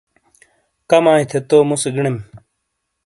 کمائی تھے تو مُسے گِنیم۔